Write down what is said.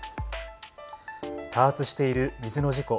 多発している水の事故。